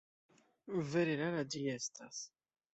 Vere rara ĝi estas.